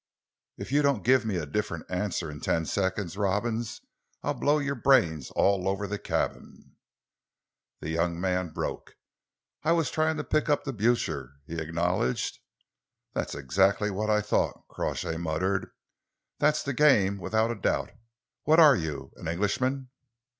"If you don't give me a different answer in ten seconds, Robins, I'll blow your brains all over the cabin!" The young man broke. "I was trying to pick up the Blucher," he acknowledged. "That's exactly what I thought," Crawshay muttered. "That's the game, without a doubt. What are you? An Englishman?"